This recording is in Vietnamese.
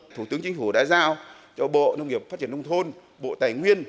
thủ tướng chính phủ đã giao cho bộ nông nghiệp phát triển nông thôn bộ tài nguyên